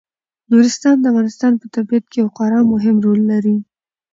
نورستان د افغانستان په طبیعت کې یو خورا مهم رول لري.